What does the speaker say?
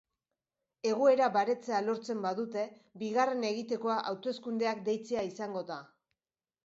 Egoera baretzea lortzen badute, bigarren egitekoa hauteskundeak deitzea izango da.